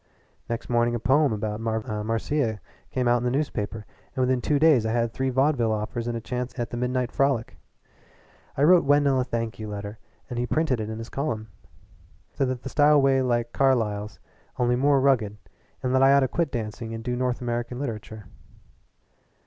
Next morning a poem about Marvellous Marcia came out in his newspaper, and within two days I had three vaudeville offers and a chance at the Midnight Frolic. I wrote Wendell a thank you letter, and he printed it in his column said that the style was like Carlyle's, only more rugged and that I ought to quit dancing and do North American literature.